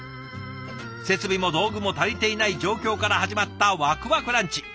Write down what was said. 設備も道具も足りていない状況から始まったわくわくランチ。